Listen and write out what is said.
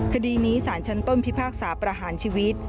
คดีนี้สารชั้นต้นพิพากษาประหารชีวิต